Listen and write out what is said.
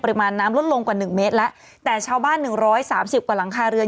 ปริมาณน้ำลดลงกว่า๑เมตรแล้วแต่ชาวบ้าน๑๓๐กว่าหลังคาเรือน